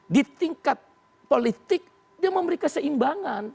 di tingkat politik dia memberi keseimbangan